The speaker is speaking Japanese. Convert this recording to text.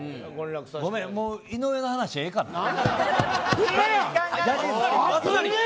ごめんもう井上の話いいかな。